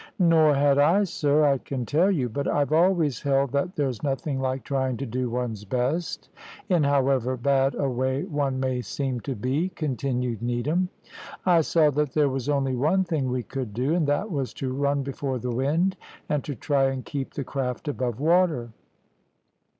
"Nor had I, sir, I can tell you; but I've always held that there's nothing like trying to do one's best, in however bad a way one may seem to be," continued Needham. "I saw that there was only one thing we could do, and that was to run before the wind, and to try and keep the craft above water.